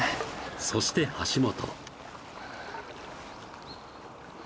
そして橋本